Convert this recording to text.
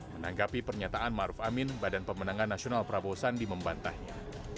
menanggapi pernyataan maruf amin badan pemenangan nasional prabowo sandi membantahnya